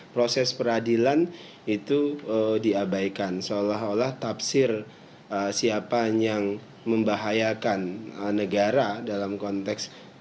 proses peradilan itu diabaikan seolah olah tafsir siapa yang membahayakan negara dalam konteks tidak bersesuaian dengan negara